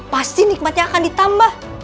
pasti nikmatnya akan ditambah